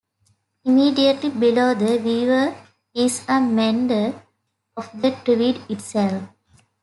Immediately below the viewer is a meander of the Tweed itself.